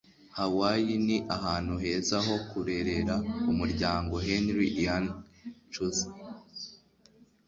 hawaii ni ahantu heza ho kurerera umuryango. - henry ian cusick